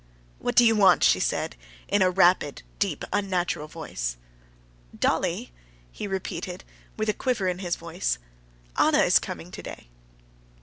"What do you want?" she said in a rapid, deep, unnatural voice. "Dolly!" he repeated, with a quiver in his voice. "Anna is coming today."